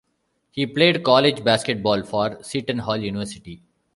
He played college basketball for Seton Hall University.